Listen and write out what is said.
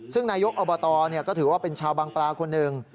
ซึ่งนายกอบตก็ถือว่าเป็นชาวบางปลาคนหนึ่ง